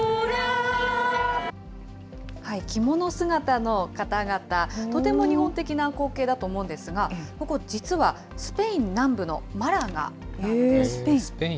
着物姿の方々、とても日本的な光景だと思うんですが、ここ、実はスペイン南部のスペイン。